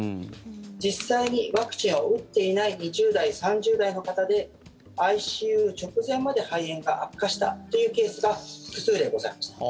実際にワクチンを打っていない２０代、３０代の方でＩＣＵ直前まで肺炎が悪化したというケースが複数例ございます。